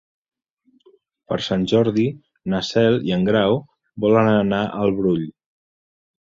Per Sant Jordi na Cel i en Grau volen anar al Brull.